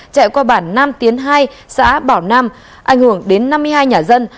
chạy qua bản nam tiến hai xã bảo nam ảnh hưởng đến năm mươi hai nhà dân